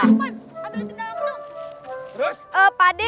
ambil sendalnya aku dong